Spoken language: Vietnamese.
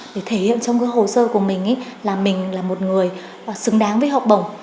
để thể hiện trong cái hồ sơ của mình là mình là một người xứng đáng với học bổng